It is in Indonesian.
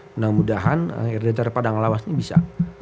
mudah mudahan rdtr padang lawas ini bisa